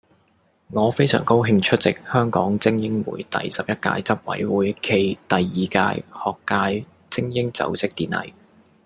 我非常高興出席香港菁英會第十一屆執委會暨第二屆學界菁英就職典禮